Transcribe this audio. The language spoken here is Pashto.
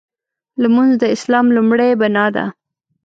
لمونځ د اسلام لومړۍ بناء ده.